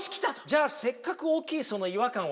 じゃあせっかく大きいその違和感をね